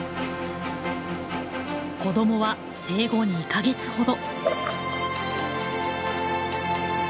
子どもは生後２か月ほど。